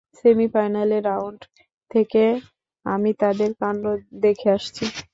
সেমিফাইনালে রাউন্ড থেকে আমি তাদের কান্ড দেখে আসছি।